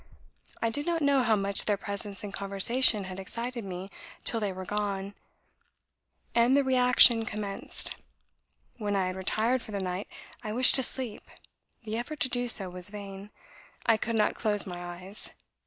I did not know how much their presence and conversation had excited me till they were gone, and the reaction commenced. When I had retired for the night, I wished to sleep the effort to do so was vain. I could not close my eyes.